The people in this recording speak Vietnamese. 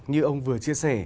như ông vừa chia sẻ